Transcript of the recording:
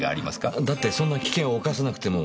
だってそんな危険を冒さなくても盗撮するなら。